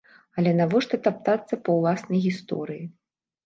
Але навошта таптацца па ўласнай гісторыі?